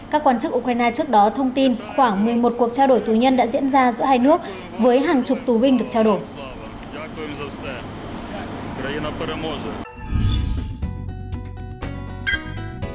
các quan chức ukraine trước đó thông tin khoảng một mươi một cuộc trao đổi tù nhân đã diễn ra giữa hai nước với hàng chục tù binh được trao đổi